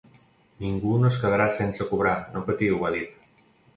Ningú no es quedarà sense cobrar, no patiu, ha dit.